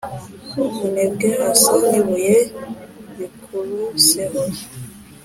Umunebwe asa n’ibuye bikuruseho,